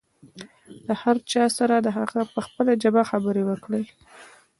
له هر چا سره د هغه په خپله ژبه خبرې وکړئ.